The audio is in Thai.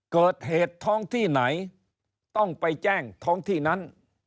เกิดเหตุท้องที่ไหนต้องไปแจ้งท้องที่นั้น